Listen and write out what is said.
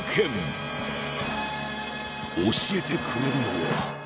教えてくれるのは。